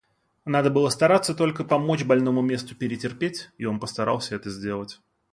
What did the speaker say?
Надо было стараться только помочь больному месту перетерпеть, и он постарался это сделать.